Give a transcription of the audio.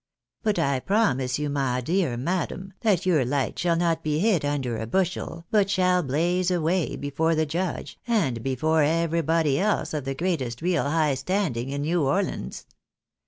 But I promise you, my dear madam, that your light shall not be hid under a bushel, but shall blaze away before the judge, and before everybody else of the greatest real high standing in New Orleans.